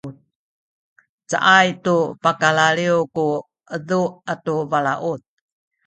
caay tu pakalaliw ku edu atu balaut